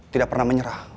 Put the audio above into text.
tidak pernah menyerah